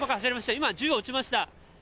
今、銃を撃ちました。